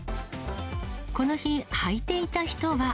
この日、はいていた人は。